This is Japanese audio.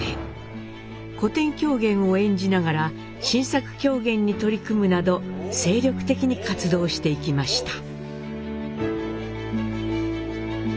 古典狂言を演じながら新作狂言に取り組むなど精力的に活動していきました。